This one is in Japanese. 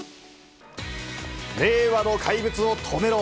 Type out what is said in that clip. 令和の怪物を止めろ。